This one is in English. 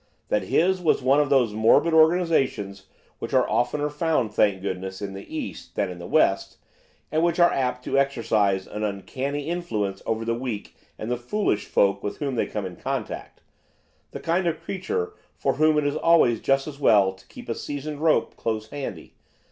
That his was one of those morbid organisations which are oftener found, thank goodness, in the east than in the west, and which are apt to exercise an uncanny influence over the weak and the foolish folk with whom they come in contact, the kind of creature for whom it is always just as well to keep a seasoned rope close handy.